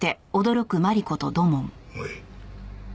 おい。